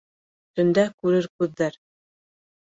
Төндә күрер күҙҙәр